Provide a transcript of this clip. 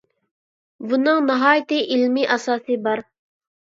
بۇنىڭ ناھايىتى ئىلمىي ئاساسى بار.